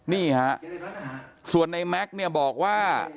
นี่ฮะส่วนในแม็กซ์เนี่ยบอกว่า